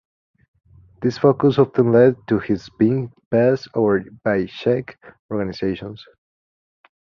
This focus often led to his being passed over by Czech organizations.